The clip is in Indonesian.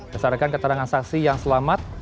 berdasarkan keterangan saksi yang selamat